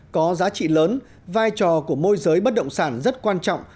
có giá trị lớn vai trò của môi giới bất động sản rất quan trọng